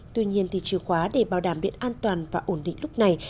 tuy nhiên chìa khóa để bảo đảm điện an toàn và ổn định lúc này